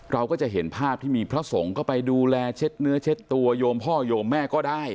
เราก็จะเห็นภาพที่มีพระสงฆ์ก็ไปดูแลเช็ดเนื้อเช็ดตัวโยมพ่อโยมแม่ก็ได้